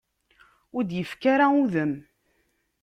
Ur d-ifki ara udem.